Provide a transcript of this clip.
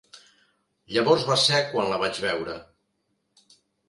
Llavors va ser quan la vaig veure.